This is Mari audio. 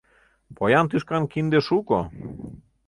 — Поян тӱшкан кинде шуко.